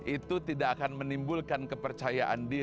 itu tidak akan menimbulkan kepercayaan diri